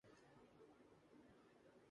Kareena Veere Di wedding سے باہر